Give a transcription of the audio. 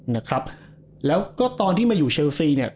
นะครับแล้วก็ตอนที่มาอยู่เชลซีเนี่ย